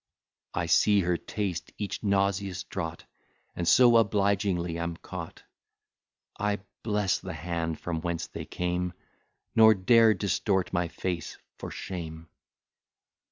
I see her taste each nauseous draught, And so obligingly am caught; I bless the hand from whence they came, Nor dare distort my face for shame.